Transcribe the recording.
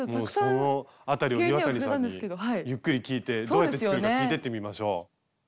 もうそのあたりを岩谷さんにゆっくり聞いてどうやって作るか聞いてってみましょう。